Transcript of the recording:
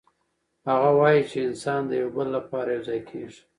هغه وايي چي انسانان د يو بل لپاره يو ځای کيږي.